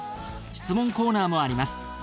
質問コーナーもあります。